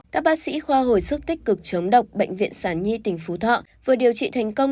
các bác sĩ khoa hồi sức tích cực chống độc bệnh viện sản nhi tỉnh phú thọ vừa điều trị thành công